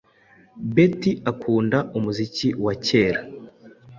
Betty akunda umuziki wa kera.